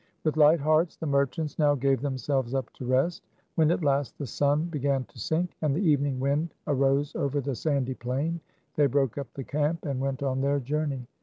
With light hearts the merchants now gave themselves up to rest. When, at last, Aie sun began to sink, and the evening wind arose over the sandy plain, they broke up the camp and went on their journey.